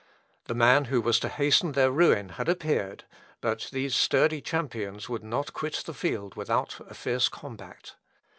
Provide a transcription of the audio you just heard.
The man who was to hasten their ruin had appeared; but these sturdy champions would not quit the field without a fierce combat.